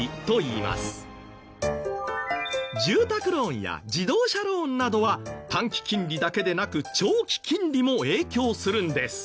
住宅ローンや自動車ローンなどは短期金利だけでなく長期金利も影響するんです。